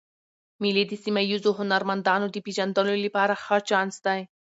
مېلې د سیمه ییزو هنرمندانو د پېژندلو له پاره ښه چانس دئ.